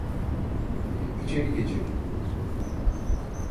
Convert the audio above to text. İçeri geçelim.